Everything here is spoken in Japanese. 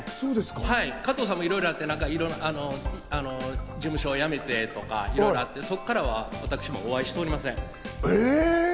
加藤さんもいろいろあって、事務所やめてとか、いろいろあって、そこからは私もお会いしておりません。